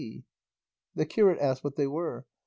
The curate asked what they were.